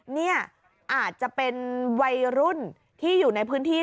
เนี่ยอาจจะเป็นวัยรุ่นที่อยู่ในพื้นที่